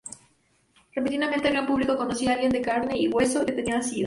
Repentinamente el gran público conocía a alguien de carne y hueso que tenía sida.